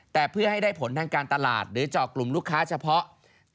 แต่เพื่อให้ได้ผลทางการตลาดหรือเจาะกลุ่มลูกค้าเฉพาะ